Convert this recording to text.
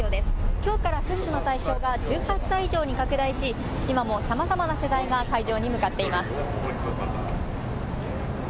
きょうから接種の対象が１８歳以上に拡大し今もさまざまな世代が会場に向かっています。